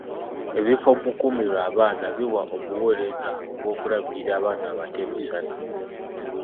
Ebifo omukuumirwa abaana biwa obuweereza bw'okulabirira abaana abato emisana.